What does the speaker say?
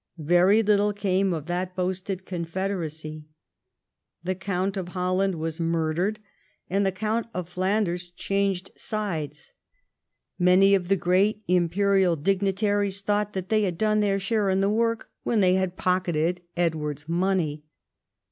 Very little came of the boasted confederacy. The Count of Holland was murdered and the Count of Flanders changed sides. 188 EDWARD I chap. Many of the great imperial dignitaries thought that they had done their share in the work when they had pocketed Edward's money.